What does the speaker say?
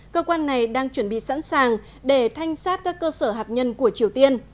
cơ quan này đang chuẩn bị sẵn sàng để thanh sát các cơ sở hạt nhân của triều tiên